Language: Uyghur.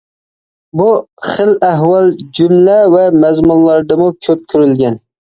بۇ خىل ئەھۋال جۈملە ۋە مەزمۇنلاردىمۇ كۆپ كۆرۈلگەن.